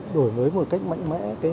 đổi mới một cách mạnh mẽ